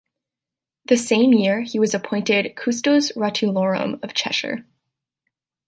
The same year he was appointed Custos Rotulorum of Cheshire.